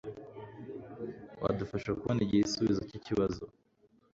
Wadufasha kubona igisubizo cyikibazo